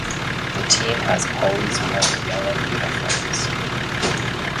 The team has always worn yellow uniforms.